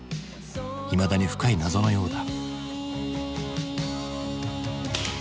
いまだに深い謎のようだ。